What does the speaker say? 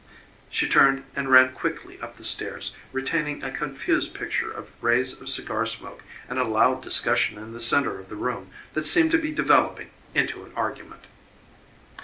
She turned and ran quickly up the stairs, retaining a confused picture of rays of cigar smoke and a loud discussion in the centre of the room that seemed to be developing into an argument.